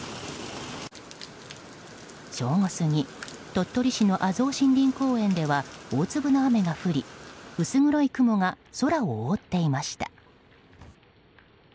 正午過ぎ、鳥取市の森林公園では大粒の雨が降り、薄暗い雲が空を覆っていました。